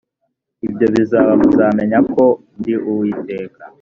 ibyo bizaba muzamenya yuko ndi uwiteka